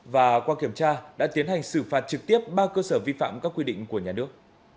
và qua kiểm tra đã tiến hành xử phạt trực tiếp ba cơ sở vi phạm các quy định của nhà nước